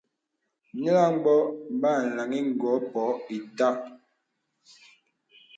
Nīləŋ bǒ bə laŋhi gô pô itə.